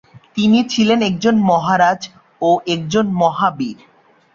তিনি ছিলেন একজন মহারাজ ও একজন মহাবীর।